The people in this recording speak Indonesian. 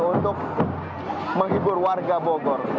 untuk menghibur warga bogor